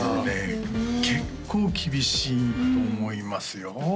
結構厳しいと思いますよ